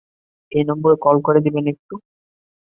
এই নম্বরে কল করে দিবেন একটু?